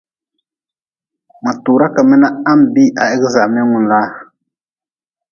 Ma tuura ka mi na ha-n bii ha examengu laa.